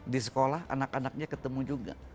di sekolah anak anaknya ketemu juga